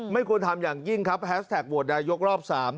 ไม่ควรทำอย่างยิ่งครับแฮสแท็กโหวตนายกรอบ๓